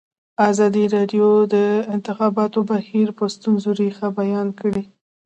ازادي راډیو د د انتخاباتو بهیر د ستونزو رېښه بیان کړې.